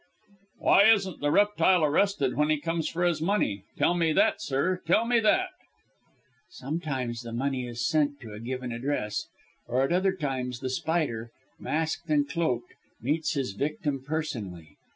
"Why isn't the reptile arrested when he comes for his money? Tell me that, sir. Tell me that." "Sometimes the money is sent to a given address, and at other times The Spider, masked and cloaked, meets his victim personally.